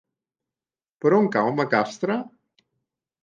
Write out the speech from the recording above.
Per on cau Macastre?